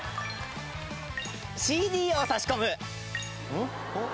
ＣＤを差し込む！